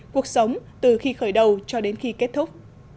cuộc sống từ khi khởi đầu cho đến khi kết thúc